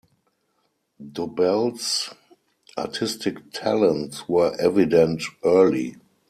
Dobell's artistic talents were evident early.